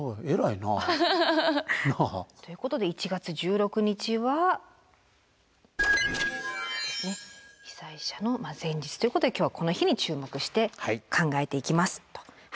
偉いな。ということで１月１６日はそうですね被災者の前日ということで今日はこの日に注目して考えていきますと。